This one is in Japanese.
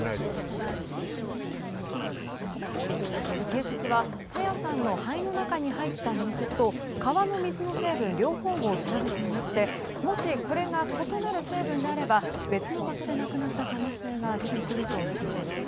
警察は朝芽さんの肺の中に入った水と川の水の成分両方を調べていましてもしこれが異なる成分であれば別の場所で亡くなった可能性が出てくるとしています。